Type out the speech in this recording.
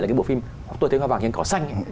là cái bộ phim tôi thấy hoa vàng trên cỏ xanh